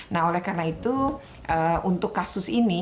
nah oleh karena itu untuk kasus ini